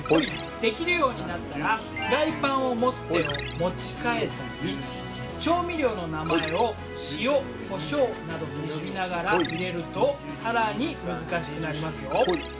できるようになったらフライパンを持つ手を持ち替えたり調味料の名前を「塩・コショウ」などと呼びながら入れると更に難しくなりますよ。